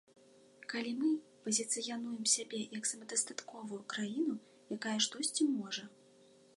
Калі мы пазіцыянуем сябе як самадастатковую краіну, якая штосьці можа.